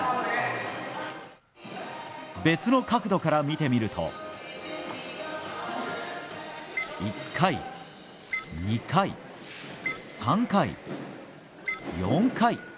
別の角度から見てみると１回、２回、３回、４回。